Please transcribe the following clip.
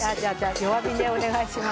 弱火でお願いします。